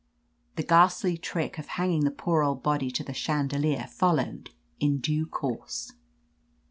The ghastly trick of hanging the poor old body to the chandelier followed in due course.